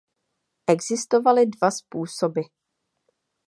Existovaly dva způsoby.